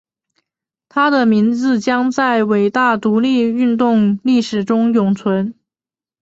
他的名字将在伟大独立运动历史中永存。